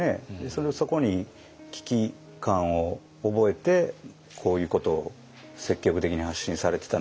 それをそこに危機感を覚えてこういうことを積極的に発信されてたのかもしれないですね。